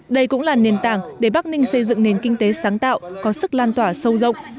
đây cũng là nền tảng để bắc ninh xây dựng nền kinh tế sáng tạo có sức lan tỏa sâu rộng